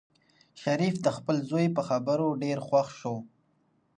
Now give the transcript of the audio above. شریف د خپل زوی په خبرو ډېر خوښ شو.